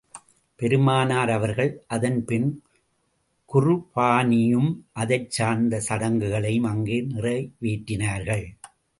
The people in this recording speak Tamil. பெருமானார் அவர்கள் அதன் பின் குர்பானியும் அதைச் சேர்ந்த சடங்குகளையும் அங்கே நிறைவேற்றினார்கள்.